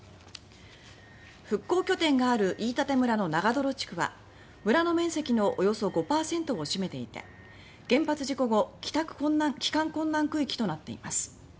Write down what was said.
復興拠点がある飯舘村の長泥地区は村の面積のおよそ５％を占めていて原発事故後帰還困難区域となっています。